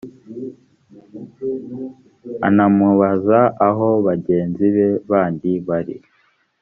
anamubaza aho bagenzi be bandi bari